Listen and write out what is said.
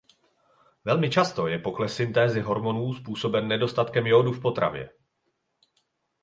Velmi často je pokles syntézy hormonů způsoben nedostatkem jódu v potravě.